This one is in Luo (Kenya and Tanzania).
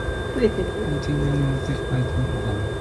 Gin gibiro neno ni gik moko odhi kare.